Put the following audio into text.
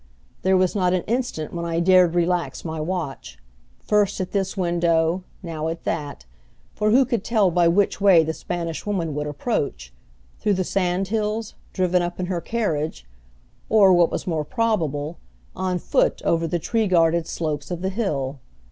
There was not an instant when I dared relax my watch, first at this window, now at that, for who could tell by which way the Spanish Woman would approach through the sand hills, driven up in her carriage, or, what was more probable, on foot over the tree guarded slopes of the hill.